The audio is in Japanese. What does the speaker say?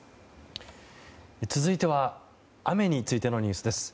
続いては雨についてのニュースです。